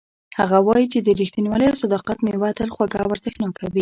هغه وایي چې د ریښتینولۍ او صداقت میوه تل خوږه او ارزښتناکه وي